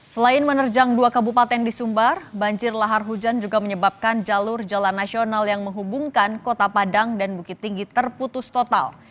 selain menerjang dua kabupaten di sumbar banjir lahar hujan juga menyebabkan jalur jalan nasional yang menghubungkan kota padang dan bukit tinggi terputus total